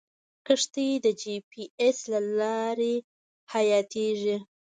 کښتۍ د جي پي ایس له لارې هدایتېږي.